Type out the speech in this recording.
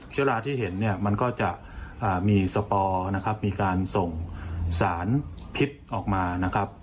เชื้อราที่เห็นมันก็จะมีสปอร์มีการส่งสารพิษออกมานะครับ